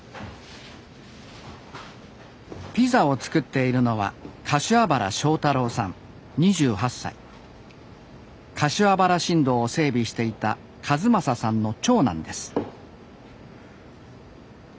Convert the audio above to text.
ピザを作っているのは柏原新道を整備していた一正さんの長男です